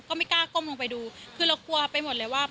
ก็ไม่กล้าก้มลงไปดูคือเรากลัวไปหมดเลยว่า